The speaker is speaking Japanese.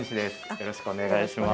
よろしくお願いします。